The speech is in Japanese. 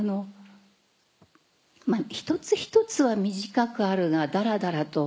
一つ一つは短くあるがダラダラと。